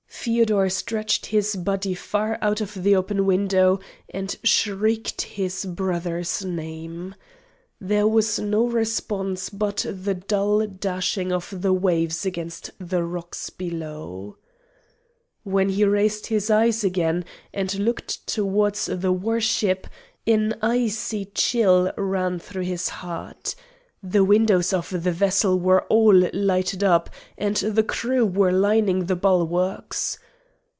Feodor stretched his body far out of the open window and shrieked his brother's name. There was no response but the dull dashing of the waves against the rocks below. When he raised his eyes again and looked towards the war ship an icy chill ran through his heart. The windows of the vessel were all lighted up, and the crew were lining the bulwarks.